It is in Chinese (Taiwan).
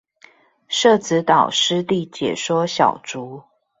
社子島濕地解說小築